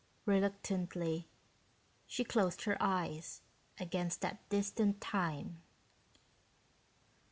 Reluctantly, she closed her eyes against that distant time.